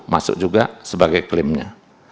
masuk juga sebagai klaimnya